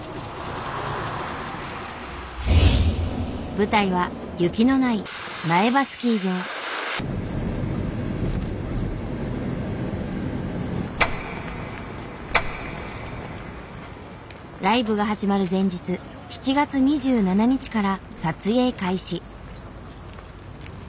舞台は雪のないライブが始まる前日７月２７日から撮影開始。